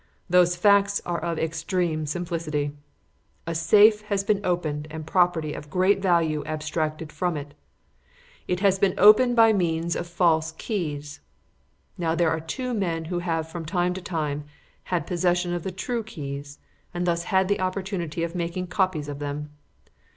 "Those facts are of extreme simplicity. A safe has been opened and property of great value abstracted from it. It has been opened by means of false keys. Now there are two men who have, from time to time, had possession of the true keys, and thus had the opportunity of making copies of them.